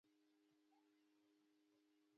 ساده او پانګوالي تولید په یوه شي کې ورته دي.